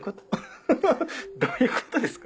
フフフどういうことですか